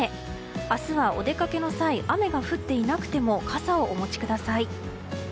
明日は、お出かけの際雨が降っていなくても傘をお持ちください。